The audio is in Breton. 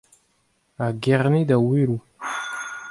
A Gerne da Oueloù.